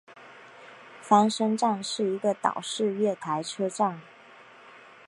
翻身站是一个岛式月台车站。